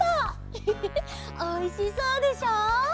ウフフフおいしそうでしょ？